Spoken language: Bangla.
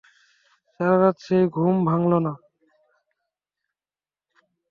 সারারাত সেই ঘুম ভাঙল না।